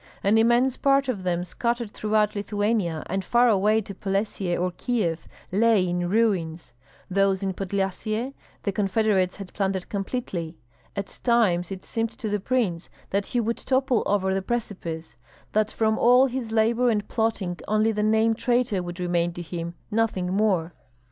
An immense part of them, scattered throughout Lithuania and far away to Polesie or Kieff, lay in ruins; those in Podlyasye the confederates had plundered completely. At times it seemed to the prince that he would topple over the precipice; that from all his labor and plotting only the name traitor would remain to him, nothing more.